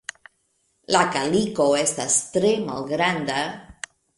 La kaliko estas tre malgranda.